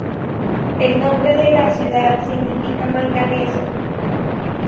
El nombre de la ciudad significa manganeso.